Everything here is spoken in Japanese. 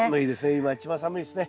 今一番寒いですね。